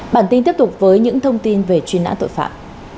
bản tin tiếp tục với những thông tin về chuyên nãn tội phạm